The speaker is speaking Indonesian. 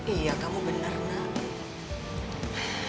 iya kamu bener nak